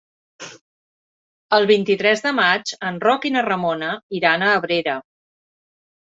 El vint-i-tres de maig en Roc i na Ramona iran a Abrera.